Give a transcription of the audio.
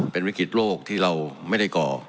เป็นวิกฤตโรคที่เราไม่ได้ก่อ